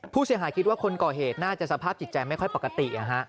ผู้เสียหายคิดว่าคนก่อเหตุน่าจะสภาพจิตใจไม่ค่อยปกติ